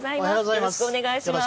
よろしくお願いします。